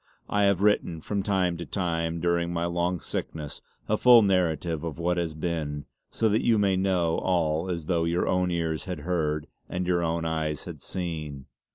I have written, from time to time during my long sickness, a full narrative of what has been; so that you may know all as though your own ears had heard and your own eyes had seen.